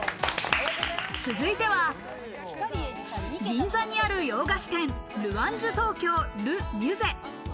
続いては、銀座にある洋菓子店ルワンジュトウキョウルミュゼ。